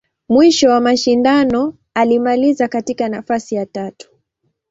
Mwisho wa mashindano, alimaliza katika nafasi ya tatu.